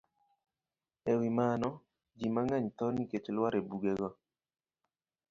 E wi mano, ji mang'eny tho nikech lwar e bugego